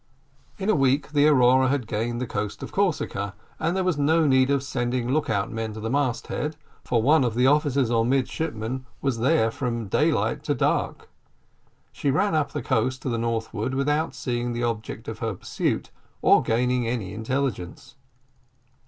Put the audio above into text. In a week the Aurora had gained the coast of Corsica, and there was no need of sending look out men to the mast head, for one of the officers or midshipmen was there from daylight to dark. She ran up the coast to the northward without seeing the object of her pursuit, or obtaining any intelligence.